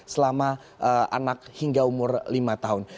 selama anak hingga umur lima tahun